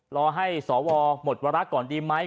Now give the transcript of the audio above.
รอให้สวหมดวาระก่อนดีไหม